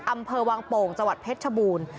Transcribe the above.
อำเภอวางโป่งจเพชรชบูรณ์